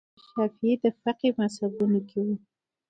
امام شافعي فقهي مذهبونو کې وو